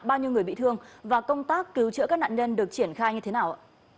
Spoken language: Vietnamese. bao nhiêu người bị thương và công tác cứu trữa các nạn nhân được triển khai như thế nào